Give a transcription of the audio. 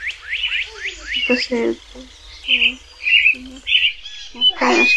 অথচ এ উদ্দেশে তিনি মক্কায় আসেননি।